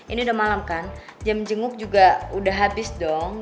ini udah malam kan jam jenguk juga udah habis dong